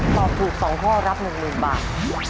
ตอบถูก๒ข้อรับ๑๐๐๐บาท